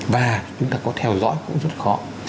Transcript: và chúng ta có theo dõi cũng rất khó